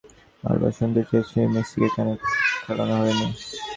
সেবারও Argentina কোচকে বারবার শুনতে হয়েছিল, মেসিকে কেন খেলানো হয়নি?